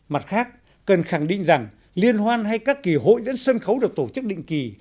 mặt khác cần khẳng định rằng liên hoan hay các kỳ hội dẫn sân khấu được tổ chức định kỳ